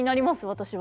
私は。